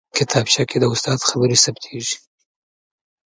کتابچه کې د استاد خبرې ثبتېږي